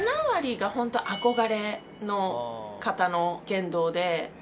７割が本当憧れの方の言動で。